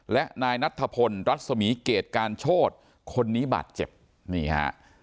และนายนัทธพลรัศมีเกรดการโชธคนนี้บาดเจ็บนี่ฮะ